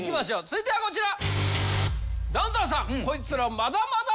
続いてはこちら！